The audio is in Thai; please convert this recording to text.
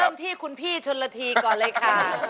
ที่คุณพี่ชนละทีก่อนเลยค่ะ